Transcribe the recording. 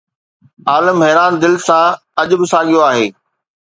عالم حيران دل سان اڄ به ساڳيو آهي